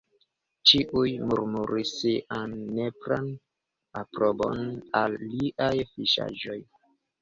Ĉiuj murmuris sian nepran aprobon al liaj fiŝaĵoj.